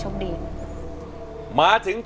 เพลงแรกของเจ้าเอ๋ง